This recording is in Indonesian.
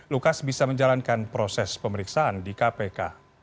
lukas bisa menjalankan proses pemeriksaan di kpk